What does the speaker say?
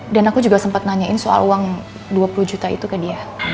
dan aku juga sempet nanyain soal uang dua puluh juta itu ke dia